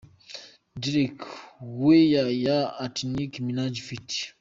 Drake – Where Ya At Nicki Minaj ft.